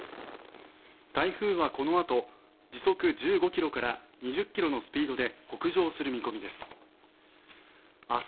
台風はこのあと時速１５キロから２０キロのスピードで北上する見込みです。